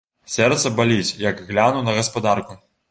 Сэрца баліць, як гляну на гаспадарку.